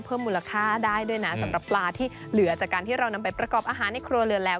มูลค่าได้ด้วยนะสำหรับปลาที่เหลือจากการที่เรานำไปประกอบอาหารในครัวเรือนแล้ว